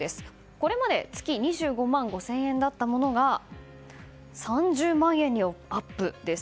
これまで月２５万５０００円だったものが３０万円にアップです。